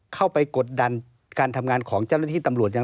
เข้าไปกดดันการทำงานของเจ้าหน้าที่ตำรวจ